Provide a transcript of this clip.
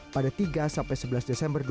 pada tiga sebelas desember dua ribu enam belas